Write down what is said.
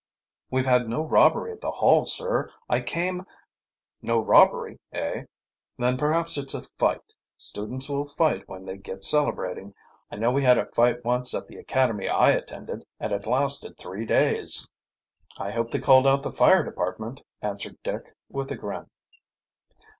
"We've had no robbery at the Hall, sir. I came " "No robbery, eh? Then perhaps it's a fight. Students will fight when they get celebrating. I know we had a fight once at the academy I attended, and it lasted three days." "I hope they called out the fire department," answered Dick, with a grin.